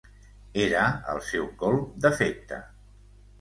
Era el seu colp d'efecte.